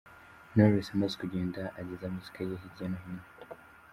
Knowless amaze kugenda ageza muzika ye hirya no hino.